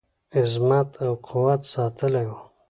عظمت او قوت ساتلی وو.